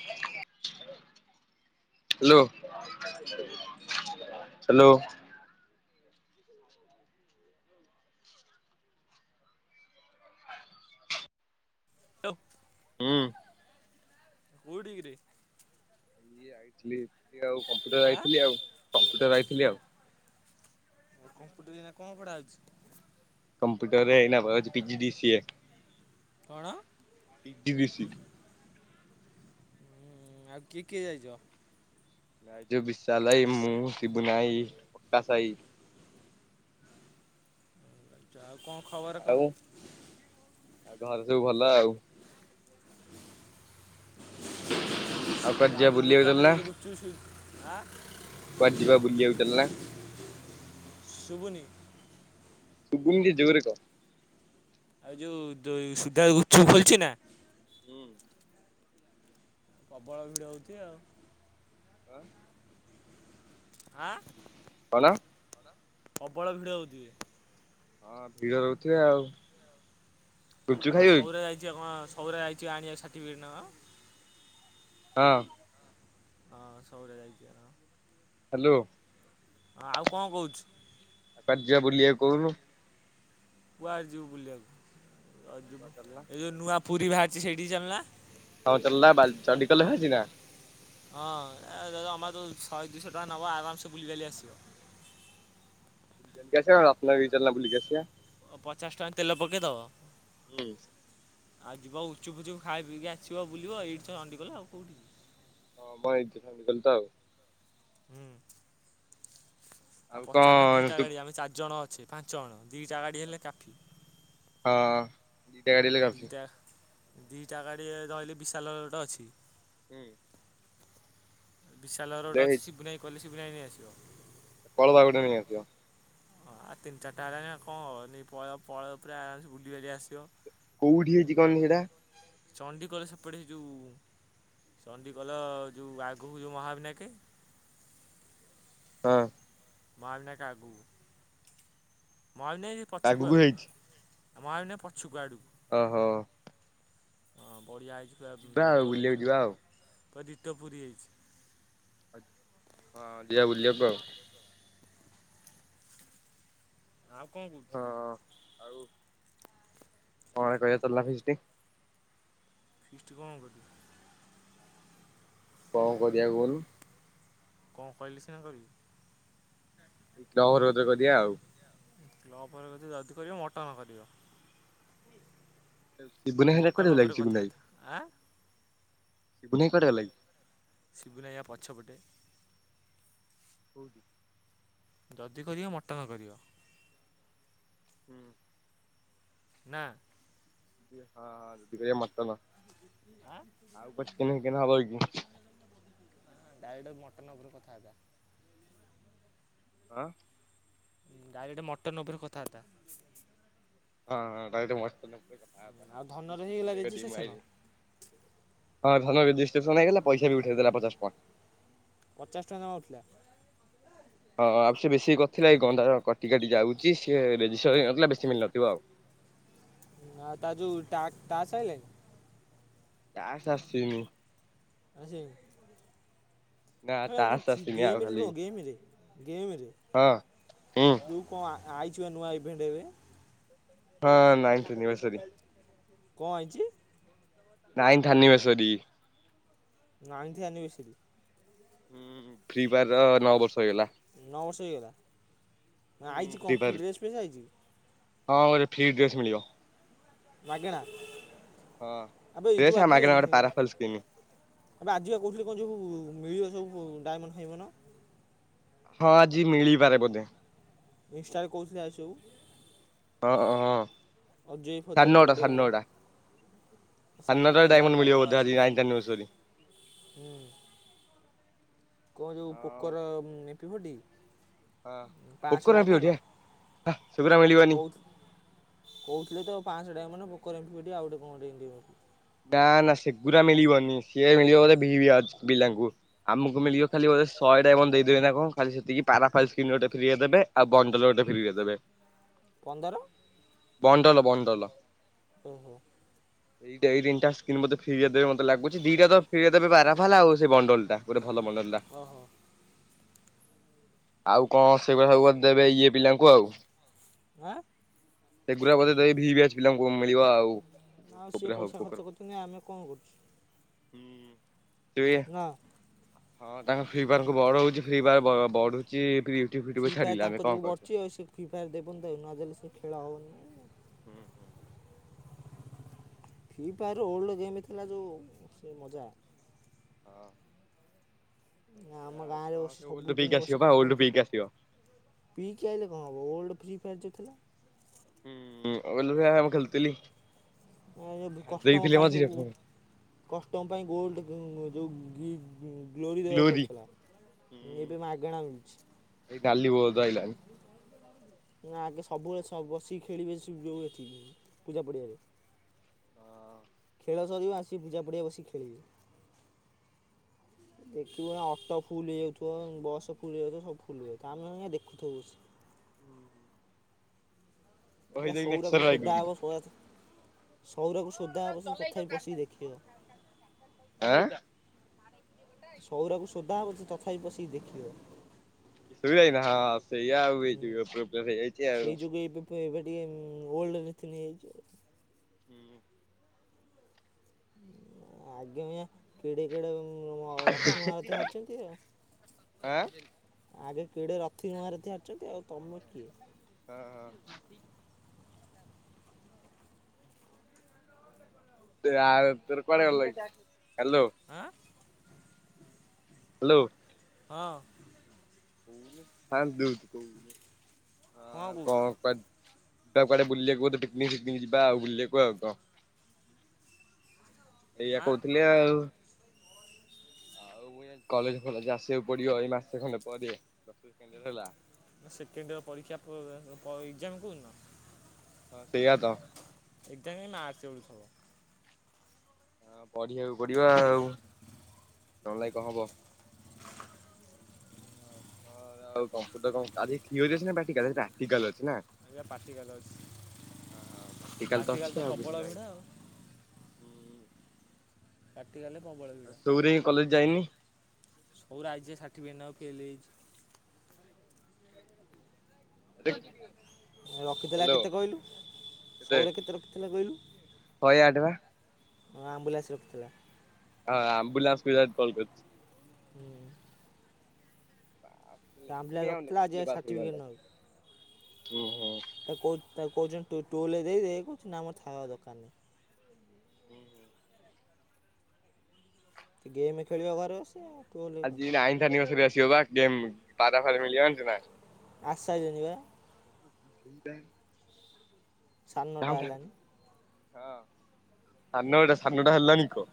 [inaudible] Hello hello [inaudible] hello ହୁଁ କୋଉଠି କିରେ? ଏ ଆଇଥିଲି ଆଉ କମ୍ପ୍ୟୁଟର ଆ ଆଇଥିଲି ଆଉ, କମ୍ପ୍ୟୁଟର ଆଇଥିଲି ଆଉ। କମ୍ପୁଟର ଏୟିନା କଣ ପଢ଼ା ହଉଛି। କମ୍ପ୍ୟୁଟରରେ ଏଇନା ପଢ଼ା ହଉଛି P G D C A. କଣ? T V C. ହୁଁ ଆଉ କିଏ କିଏ ଯାଇଛ? ନାଇଁ ଯୋଉ ବିଶାଲ ଭାଇ, ମୁଁ, ସିବୁନା ଭାଇ, ପ୍ରକାଶ ଭାଇ। ଆଚା ଆଉ କଣ ଖବର ଆଉ କହ? ଘରେ ସବୁ ଭଲ ଆଉ। ଆଉ କୁଆଡେ ଯିବା ବୁଲିବାକୁ ଚାଲୁନା? [inaudible] ଆଁ କୁଆଡେ ଯିବା ବୁଲିବାକୁ ଚାଲ ନା? ଶୁୁବୁନି? ଶୁବୁନି ଟିକେ ଜୋରରେ କହ। ଆଉ ଯୋଉ ଯୋ ସୁଧା ଗୁପଚୁପ ଖୋଲିଚି ନା? ହୁଁ। ପ୍ରବଳ ଭିଡ଼ ହେଉଚି ଆଉ। ହଁ ଆଁ? କଣ? ପ୍ରବଳ ଭିଡ଼ ହଉଚି। ହଁ ଭିଡ ରହୁଥିଏ ଆଉ। ଗୁପଚୁପ ଆଉ ଖାଇବ କି ସୌରା ଯାଇଚି ପା କଣ ସୌରା ଯାଇଚି ଆଣିବାକୁ ସାର୍ଟିଫିକେଟ ନାଁ କଣ? ହଁ। ହଁ ସୌରା ଯାଇଚି ପା ନା କଣ? ହ୍ୟାଲୋ ହଁ ଆଉ କଁ କହୁଚୁ? କୁଆଡେ ଯିବା ବୁଲିବାକୁ କହୁନୁ? କୁଆଡ଼େ ଯିବୁ ବୁଲିବାକୁ ରଜକୁ? ଏ ଯଉ ନୂଆ ପୁରୀ ବାହାରିଚି ସେଇଠିକି ଚାଲ ନା। ହଁ ଚଲନା ବା ଚଣ୍ଡିଖୋଲ ରେ ଭାଚି ନା? ହଁ ଏ ଦ ଦ ଆମର ତ ଶହେ ଦୁଇଶହ ଟଙ୍କା ନବ ଆରାମସେ ବୁଲିିବାଲି କି ଆସିବ। [unintelligible] ରତ୍ନଗିରି ଚାଲନା ବୁଲିକି ଆସିଆ। ପଚାଶ ଟଙ୍କା ତେଲ ପକେଇଦବ ହୁଁ ଆଉ ଯିବା ଗୁଚୁପୁ ଫୁଚୁ ଖାଇ ପିଇକି ଆସିବ ବୁଲିବ। ଏଇଠି ତ ଚଣ୍ଡିଗଲ ଆଉ କଉଠି କି? ହଁ ମଁ ଏଇ [unintelligible] ତ ଆଉ। ହୁଁ। ଆଉ ପଚାରନ ନା କଣ ଦିଟା ତୁ ଗାଡି ଆମେ ଚାରିଜଣ ଅଛେ ପାଞ୍ଚ ଜଣ ଦିଟା ଗାଡି ହେଲେ କାଫି। ହଁ। ଦିଟା ଗାଡି ହେଲେ ଆଉ କାଫି ଦିଟା ଦିଟା ଗାଡ଼ି ରହିଲେ ବିଶାଲ ର ଗୋଟେ ଅଛି। ହୁଁ। ବିଶାଲ ର ଗୋଟେ ହେଲେ ଅଛି ହେଇଛି ସିବୁନାଇ କହିଲେ ସିବୁନାଇ ନେଇ ଆସିବ। କଳୁଆ ଗୋଟେ ନେଇ ଆସିବ। ଆଉ ତିନି ଚାରିଟା ହେଲାଣି ଆଉ କଁ ହବ ନେ ପଳେଅ ପଳେଅ ପୁରା ବୁଲିିବାଲି ଆସିବ। କୋଉଠି ହେଇଚି କନି ହେଟା? ଚଣ୍ଡିଖୋଲ ସେପଟେ ହେ ଯୋଉ ଚଣ୍ଡିଖୋଲ ଯେଉଁ ଆଗକୁ ଯେଉଁ ମହାବିନାୟକ ହଁ। ମହାବିନାୟକ ଆଗୁକୁ। ମହାବିନାକେ ପଛୁକୁ ଆଗକୁ ଆଉ, ହେଇଛି ମହାବିନାକେ ପଛୁକୁ ଆଡ଼କୁ। ଓହୋ। ହଁ ବଢିଆ ହେଇଚି ପୁରା ଯିବା ଆଉ ଜବର ହେଇଚି ବୁଲିବାକୁ ପୁରା ଯିବା ଆଉ ପୁରା ଡିଟୋ ପୁରୀ ହେଇଚି। ହଁ ଯିିବା ବୁଲିବାକୁ ଆଉ। ଆଉ କଣ କୋଉଚୁ? ହଁ ଆଉ [unintelligible] କରିବା ଚାଲୁନା ଫିଷ୍ଟି। ଫିଷ୍ଟି କଣ କରିବ? କ କରିଆ କହୁନୁ। କଁ କହିଲେ ସିନା କହିବି। କ୍ଲବ ଘର କତିରେ କରିଆ ଆଉ। କ୍ଲବ ଘର କତିରେ ଯଦି କରିବ ମଟନ କରିବ। ସିବୁନା ଭାଇ ହେଲା ମଟନ କୁଆଡେ ଗଲା ଉପରେ କି ସିବୁନା ଭାଇ, କଥାବାର୍ତ୍ତା ଆଁ ସିବୁନା ଭାଇ କୁଆଡେ ଗଲା କି? ସିବୁନା ଆଇ ପା ପଛପଟେ। ହୁଁ ଜଦି କରିବ ମଟନ କରିବ। ହୁଁ ନା। ଟିକେ ହଁ ହଁ ଟିକେ ମଟନ। ଆଁ। ଆଉ ଚିକେନ ଫିକେନେ ହବ କି? ଡାଇରେକ୍ଟ ମଟନ୍ ଉପରେ କଥା ବାର୍ତ୍ତା। ଆଁ। ଡାଇରେକ୍ଟ ମଟନ ଉପରେ କଥାବାର୍ତା। ହଁ ଡାଇରେକ୍ଟ ମଟ ଆଉ ଧନର ହେଇଗଲା ରେଜି ଆଇଲି ଶେଷନ। ହଁ ଧନଜିେସନ ହେଇଗ ପଇସା ବି ଉଠେଇଦେ ପଚଶ ଟଙ୍କା। ପଚାଶ ଟଙ୍କା ଜମା ଉଠୁଲା। ହଁ ଆଉ ସେ ବେଶୀ କରିଥିଲା କିକଣ ତାର କଟି କାଟି ଯାଉଛି ସି ଏରେଜିଷ୍ଟର ହେଇନ ନଥିଲା ବେଶୀ ମିଳି ନଥିବ ଆଉ। ହଁ ତାଯୋଉ ଟାସ ଟାକ୍ସ ଆଇଲାନି। ଟାସ୍କ ଆସିନି। ଆସିନି ନା ଟାସ୍କ ଯ ଆସିନି ଆଉ ଗମରେ ଖାଲି ନୁହଁ ଗମରେ ଗେମରେ। ହଁ ହୁଁ। ଯୋଉକଣ ଆଇଚୁପା ନୂଆ ଇଭେଣ୍ଟ ଏବେ। ହଁ ନାଇଁସିନିିବସରି। କଅଁ ଅଇଚି। ନାଇନ୍ତ ଅନିଭର୍ସେରୀ। ନାଇନ୍ଥ ଆନଭର୍ସରରି। ହୁଁ ଫ୍ରି ଫାୟାର ନଅ ବର୍ଷ ହେଇଗଲା। ନଅ ବର୍ଷ ହେଇଗଲା ନା ହୁଁ ଆଇଛି ଫ୍ରି କଣ ଫାୟାର କି ଡ୍ରେସ୍ ପି ଧ୍ଯ ଆଇଛି। ହଁ ଗୋଟେ ଫି ଡ୍ରେସ୍ ମିଳିବ। ମାଗେଣା ହଁ। ଆବେ ଏଇ ଡ୍ରେସ ଯୋଉ ଆଉ ଆଜିିବେ। ମାଗଣା ଗୋଟେ ପାରାଫଲ ସ୍କିନ ଏବେ ଆଜିିକ କହୁଥିଲି କଣ ସବୁ ମିଳିବ ସବୁ ଡାଇମଣ୍ଡ ଫାଏମଣ୍ଡ। ହଁ ଆଜି ମିଳିପାରେ ବୋଧେ। ଇନଷ୍ଟାରେ କହୁଥିଲେ ଆଜି ସବୁ। ହଁ ହଁ ଅଜୟ ସାଢେ ଫଜୟ ନଅଟା ଟୁଣ୍ଡେ ସାଢେ ନଅଟା। କ୍ୟାମର। ସାନଟା ସାଢ଼େନଅଟାରେ ଡାଇମଣ୍ଡ ହେଇଲାଣିି ନା ମିଳିବ କଣପା ବୋଧେ ଆଜି ଆସିକି ନାଇନଟା ନ୍ୟୁଜ୍ ରେ। ହୁଁ। କଣ ଯୋଉ ହଁ। ପୋକର ମପି ଫୋଟି। ହଁ ପୋକର ମପୀ ଫୋଟି ହେ ହା ସେଗୁରା ମିଳିବନି। କହୁ କହୁଥିଲେ ତ ପାଞ୍ଚଟଙ୍କିଆ ମାନେ ଭୋକରେ ରଖିବ ଟେ ଆଉ ଗୋଟେ କଣ ଏମିତି ଗୋଟେ ନା ନା ସେଗୁରା ମିଳିବନି ସିଏ ମିଳିବ ଗୋଧେ ଭି ପିଲାଙ୍କୁ। ଆମକୁ ମିଳିବ ଖାଲି ଶଏ ଟା ଦେଇଦେବେ ନା କଣ ଖାଲି ସେତିକି ପାରାଫଲ ସ୍ ଗୋଟେ ଫ୍ରିରେ ଦେବେ। ଆଉ ବଣ୍ଟାଲ ଗଟେ ଫେରେ ଦେବେ। ପନ୍ଦର? Bundle bundle. ଓହୋ। ଏଇତିନଟା ସ୍ନ୍ ମେରିଆ ଦେବେ ମତୋଗୁଛି ଦିଟାର ଫେରିଆ ଦେବେ ପାରା ଆଉ ସେଇ ବଣ୍ଡଲଟା ଗୋଟେ ଭଲଣ୍ଡଲ ଟା। ହଁ ହଁ। ଆଉ କଣ ସେଗୁଡା ସବୁ ଦେବେ ଇଏ ପିଲାଙ୍କୁ ଆଉ। ଆଁ ସେଗୁଡା ବୋଧେ ଦେବେ ଭିି ବ୍ୟାଚ ପିଲାଙ୍କୁ ମିଳିବ ସିଏ ଆଉ ପଇସା ହବ ଖର୍ଚ୍ଚ କରୁ ଆମେ କଣ କରଛୁ। ହୁଁ ଦୁଇ ଏ ନା। ହଁ ତାଙ୍କ ଫ୍ରି ଫାର କୁ ବଢଉଛି ଫ୍ରି ଫାର ବଢୁଚି ୟୁ ଟ୍ୟୁବ୍, ଫି ଟ୍ୟୁବ୍ ରେ ଛାଡିଲା ଆମେ କଣ କରିବା? ଫି ଫାୟାର୍ ଦେବନ ତ ନ ଦେଲେ ସେ ଖେଳ ହେଉନି। ହୁଁ ହୁଁ। ଫି ଫାର ରୋଲ୍ ଯେମିତି ଥିଲା ଯୋଉ ସେ ମଜା। ହଁ। ନା ଆମ ଗାଁରେ ବସି ସେ ଓଲଡ ପିକ୍ ସବୁଦିନେ ଆସିବ ବସି ବା ଓଲଡ କଷ୍ଟମ କେ ପିକ୍ ଆସିବ। ପି କିି ଆଇଲେ କଣ ହେବ, ଓଲ୍ଡ ଫ୍ରି ଫାୟାର୍ ଯୋଉଥିଲା? ! ହୁଁ ଉଁ ଓଲୁ ଭାବା ମୁଁ ଖେଳୁଥିଲି ! ଛାଡି ! ! ଦେଇଥିଲି ମଝିରେ ! ପୁଣି ! ! ! ! ! ! ! ! ! ! ! ହୁଁ ଗ୍ଲୋରି ଦେବାକୁ ପଡ଼ିଥିଲା, ଏବେ ମାଗଣା ମିଳୁଛି। ଏଇ ଡାଲି ବୋଲ୍ ତ ଆଇଲାଣି। ନା ଆଗେ ସବୁବେଳେ ସ ବସିକି ଖେଳିବେ ସୁ ଯୋଉ ଏଠିକି ପୂଜା ପଡିଆରେ। ଖେଳ ସରିବ ଆସି ପୂଜାପଡ଼ିଆ ରେ ବସି ଖେଳିବେ। [inaudible] ଦେଖିବୁ ଅଟୋ ଫୁଲ୍ ହେଇଯାଉଥିବ, ବସ୍ ଫୁଲ୍ ହେଇଯାଉଥିବ ସବୁ ଫୁଲ୍ ହେଇଯାଉଥିବ ଆମେ ଦେଖୁଥିବୁ ବସିକି। ହୁଁ ହୁଁ ନେକ୍ସର ସଉରାକୁ ସୋଧା ଆଗକୁ ହବ, ସଆ ଟା ସଉରାକୁ ସୋଧା ହେବ ସେ ତଥାପି ପଶିକି ଦେଖିବ। ଆଁ ସଉରାକୁ ସୋଦା ହବ ସେ ତଥାପି ପସିକି ଦେଖିବ। ଏ ଶୋଇ ଲାଣି, ହଁ ସେଇଆ [unintelligible] ପ୍ରୋବଲ ହେଇଇଯାଇଛି ଆଉ। ତୁ ଏବେ ଟିକେ ଓଲ୍ଡ ନିତି ନେଇ ଜାଇଛୁ। ହୁଁ। ଉଁ ଆଗେ ମିଆଁ କେଡ଼େ କେଡ଼େ ରଥୀ ମହାରଥୀ ହାରୁଛନ୍ତି ଆଉ। ଆଁ ଆଗେ କେଡେ ରଥୀ ମହାରଥୀ ହାରିଚନ୍ତି ଆଉ ତମେ କିଏ? ହଁ ହଁ। ତେ ଆ ଉପରେ କୁଆଡେ ଗଲା କି? ହାଲୋ। ଆଁ। ହାଲୋ। ହଁ। କୋଉନୁ ସାଉଣ୍ଡ ଦଉଚୁ କହୁନୂ କଣ କହୁଛୁ ଆ କଣ କର ଯିବା କୁଆଡେ ବଲିବାକୁ ପିକିନିକି ଫିକିନିକି ଯିବା ଆଉ ବୁଲିବାକୁ। ଆଉ କଣ? ଏଇଆ ଆଁ କହୁଥିଲି ଆଉ। ଆଉ ମୁ କଲେଜ୍ ଫଳେଜେ ଆସିବାକୁ ପଡିବ ଏଇ ମାସେ ଖଣ୍ଡେ ପରେ, [unintelligible] ହେଲା। ସେକେଣ୍ଡ ଇୟର ପରୀକ୍ଷା ପୁ ପ ଏକ୍କଜାମ୍ କୋଉ ଦିନ? ହଁ ସେଇଆ ତ। ଏକ୍ସାମ ଯାଇ ମାର୍ଚ୍ଚ ବେଳକୁ ହବ। ହଁ ପଢିବାକୁ ପଡିବା ଆଉ, ନ ହେଲେ ନାଇ କଣ ହବ। ହଁ ଆଉ କମ୍ପୁଟର କଣ? ଆଜି ଥିଓରୀ ଅଛି ନା ପ୍ରାକ୍ଟିକାଲ୍? ଆଜି ପ୍ରାକ୍ଟିକାଲ୍ ଅଛି ନା। ଏବେ ପ୍ରାକ୍ଟିକାଲ ଅଛି ହ ହଁ ପ୍ରାକ୍ଟିକାଲ୍ ତ ପ୍ରାକ୍ଟିକାଲ ଅଛି ଆଉ ପ୍ରବଳ କିଛି ନାହିଁ। ଭିଡ଼ ଆଉ ହୁଁ ପ୍ରାଟିକାଲ୍ ରେ ପ୍ରବଳ ଭିଡ଼। କଲେଜ୍ ଯାଇନି। ସଉର ଆଇଛି ଯେ ସାର୍ଟିଫିକେଟ୍ ନବା କୁ ଯେ ଫେଲ୍ ହେଇଚି। [inaudible] [inaudible] ରଖିଥିଲା ହ୍ୟାଲୋ କେତେ କହିଲୁ? ସଉର କେତେ ରଖିଥିଲା କହିଲୁ? ଶହେ ଆଠ ବା। ହଁ ଆମ୍ବୁଲାନ୍ସ ରଖିଥିଲା। ହଁ ଆମ୍ବୁଲାନ୍ସ ପିଲା କଲ୍ କରିୁଛି। ହୁଁ। ସେ ଆମ୍ଭବ୍ଲା ଲେଖିନି ଆଉ ରଖିଥିଲା ଆଜି ଆଉ ସାର୍ଟିଫିକେଟ୍ ନବାକୁ। ଉଁହୁଁ। ତା କହୁ ତା କହୁଛନ୍ତି ଟୁଲ ଦେଇ ଦେ କହୁଛନ୍ତି ନା ଥାଉ ମୋର ଦରକାର ନାହିଁ। ହୁଁ ହୁଁ। ସେ ଗେମ୍ ଖେଳିବ ଘରେ ବସିକି ଆଉ। ଟୋଲ୍ କଣ ଆଜି ଦରକାର ନାଇଁନ୍ଥ ଆନିଭର୍ସରି ଆସିବ ବା ଗେମ ପାରା ଫାର ମିଳିବ ଜାଣିଛୁ ନା। ଆସି ସାଇଲାଣିପା। ସେ ସାଢ଼େ ନଅଟା କାହା ହେଲାଣି ସାଢେ ନଅଟା ସାଢେ ନଅଟା ହେଲାଣିି କି କହ?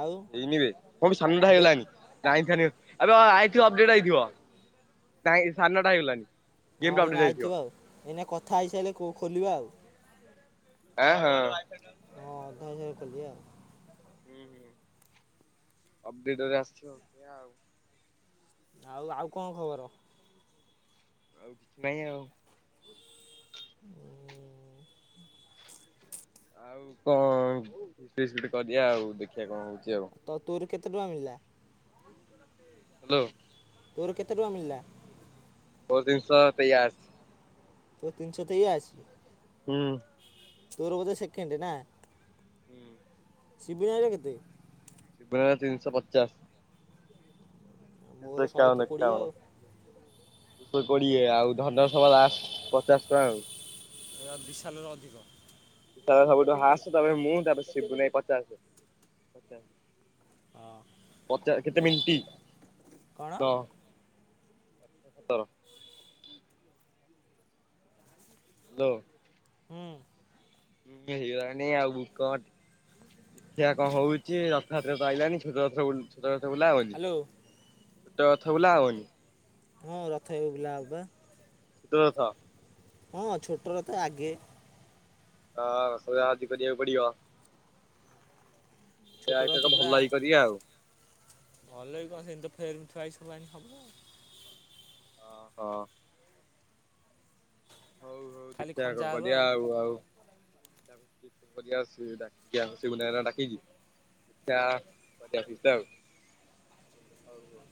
ଆଉ ହେଇନିବେ। କ ସାଢେ ନଅଟା ଦେ ହେଇଗଲାଣି। କାଇଁ ଛାନିଆ ହୋ। ଏବେ ଅ ଆଇଥିବ ଅପଡେଟ୍ ଆଇଥିବା ସାଡେ ନଅଟା ହେଇଗଲାଣି। ହଁ ଗେମ୍ ଟା ଅପଡେଟ୍ ଏଇନା ଆଇଥିବ ଆଉ। ଏଇନା କଥା ହେଇସାରିଲେ ଖୋ ଖୋଲିବା ଆଉ। ଆ ହଁ। ହଁ ଅଧା ହେଇସାରୁ ଖୋଲିବା। ହୁଁ ହୁଁ ଅପଡେଟରେ ଆସିିବ ଆଉ। ଆଉ ଆଉ କଣ ଖବର? ଆଉ କିଛି ନାହିଁ ଆଉ। [inaudible] ଆଉ କଣ ଫିଷ୍ଟ୍ କରିବା ଆଉ ଦେଖିବା କଣ ହଉଛି ଆଉ। ତ ତୋର କେତେ ଟଙ୍କା ମିଳିଲା? ହ୍ୟାଲୋ। ତୋର କେତେ ଟଙ୍କା ମିଳିଲା? ମୋର୍ ତିନିଶହ ତେୟାସି।। ତୋ ତିନଶହ ତେୟାଅଶୀ। ହୁଁ। ତୋର ବୋଧେ ସେକେଣ୍ଡ ନା? ହୁଁ। ସିବୁ ଭାଇର କେତେ? ଶବୁ ଭାଇର ତିନିଶହ ପଚାଶ। ମୋର ତିନିସହ ଶହେ ଏକାବନ କୋଡ଼ିଏ ଏକାବନ। ଆଉ। ଶୋ କୋଡିଏ ଆଉ ଧନସ ଲାଷ୍ଟ ପଚାଶ ଟଙ୍କା ଆଉ। ଏ ବିଶାଲର ଅଧିକ। ତାର ସବୁଠୁ ହାଏଷ୍ଟ ତାପରେ ମୁଁ ତାପରେ ସିବୁନୁ ଭାଇ ପଚାଶ। ହଁ ପଚା କେତେ ମିନିଟି କଣ ତ ସତର। ହ୍ୟାଲୋ। ହୁଁ। ହଁ ହେଇଗଲାଣି ଆଉ କହ ଟିକେ। ଦେଖିଆ କଣ ହୋଉଛି ରଥଯାତ୍ରାକୁ ଆଇଲାନି ଛୋଟ ରଥ ବୁଲୁଚି। ଛୋଟ ରଥ ବୁଲା ହବନି ହ୍ୟାଲୋ ଛୋଟ ରଥ ବୁଲା ହବନି? ହଁ ରଥ ଏବେ ବୁଲା ହବା ପା। ଛୋଟ ରଥ। ହଁ ଛୋଟ ରଥ ଆଗେ। ହଁ ସେଇଆ ହାତୀ କରିବାକୁ ପଡିଵ। ଛୋଟ ଯିବା ଏଇଥରକ ଭଲକି କରିବା ଆଉ। ଭଲକି କଣ ସେମିତି ଫ୍ରେମ୍ ଥୁଆ ହେଇଚି ଆଣିବ ଆଉ। ଓହୋ। ହଉ ହଉ ଖାଲି ଦେଖିବା କଣ ଖଞ୍ଜା ହବ କରିବା ଆ ଆଉ ଆଉ। [unintelligible] କରିବା ସେ ରାକ୍ଷୀପୂର୍ଣ୍ଣିମା ରେ ଡ଼ାକିକି [unintelligible] ହଉ ହଉ।